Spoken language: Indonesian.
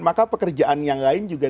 maka pekerjaan yang lain juga